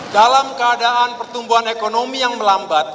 dalam keadaan pertumbuhan ekonomi yang melambat